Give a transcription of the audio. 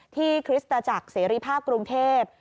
ที่คริสต์จากเสรีภาคกรุงเทพ